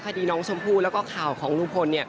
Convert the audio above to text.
คดีน้องชมพู่แล้วก็ข่าวของลุงพล